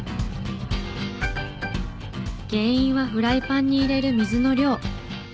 原因はフライパンに入れる水の量。